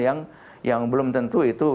yang belum tentu itu